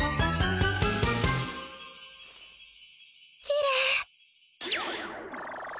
きれい。